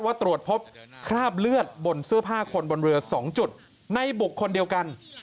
ตรวจพบคราบเลือดบนเสื้อผ้าคนบนเรือ๒จุดในบุคคลเดียวกัน